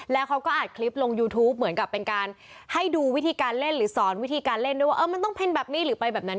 แล้วเขาก็อัดคลิปลงยูทูปเหมือนกับเป็นการให้ดูวิธีการเล่นหรือสอนวิธีการเล่นด้วยว่ามันต้องเป็นแบบนี้หรือไปแบบนั้น